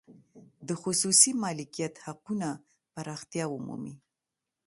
د خصوصي مالکیت حقونه پراختیا ومومي.